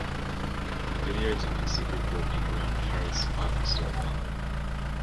The video depicts the group walking around Harrods department store in London.